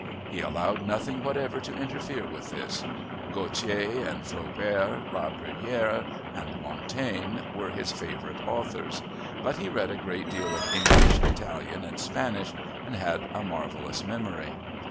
He allowed nothing whatever to interfere with this Gautier and Flaubert, La Bruyère and Montaigne were his favourite authors, but he read a great deal of English, Italian, and Spanish, and had a marvelous memory.